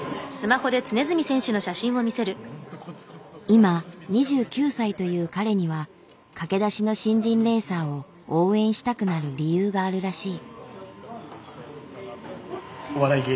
今２９歳という彼には駆け出しの新人レーサーを応援したくなる理由があるらしい。